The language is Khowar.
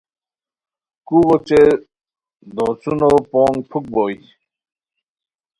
کوغو اوچے دوڅونو رُوم پُھک بوئے